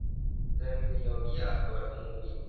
زمینه یابی افکار عمومی